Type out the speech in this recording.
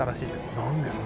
何ですか？